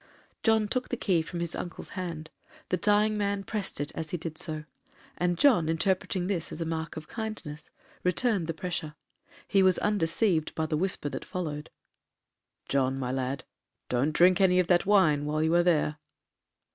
John took the key from his uncle's hand; the dying man pressed it as he did so, and John, interpreting this as a mark of kindness, returned the pressure. He was undeceived by the whisper that followed,—'John, my lad, don't drink any of that wine while you are there.'